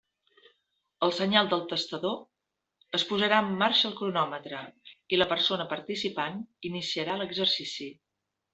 Al senyal del testador, es posarà en marxa el cronòmetre i la persona participant iniciarà l'exercici.